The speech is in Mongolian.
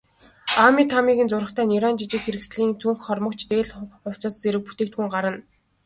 Аами, Таамигийн зурагтай нярайн жижиг хэрэгслийн цүнх, хормогч, дээл, хувцас зэрэг бүтээгдэхүүн гарна.